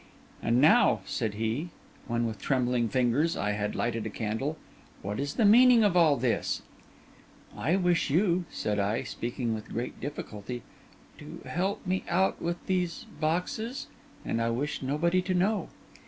'And now,' said he, when with trembling fingers I had lighted a candle, 'what is the meaning of all this?' 'I wish you,' said I, speaking with great difficulty, 'to help me out with these boxes—and I wish nobody to know.